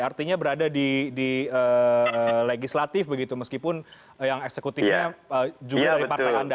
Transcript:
artinya berada di legislatif begitu meskipun yang eksekutifnya juga dari partai anda